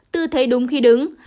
tư thế đúng khi đứng